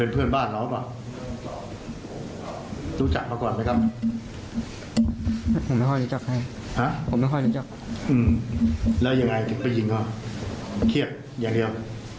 ผู้หญิงหรอเครียดอย่างเดียว